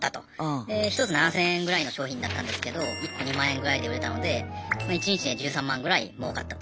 で１つ７，０００円ぐらいの商品だったんですけど１個２万円ぐらいで売れたので１日で１３万ぐらいもうかったと。